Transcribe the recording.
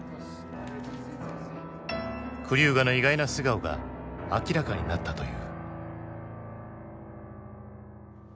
クリューガの意外な素顔が明らかになったという。